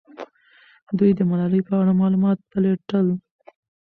دوی د ملالۍ په اړه معلومات پلټل.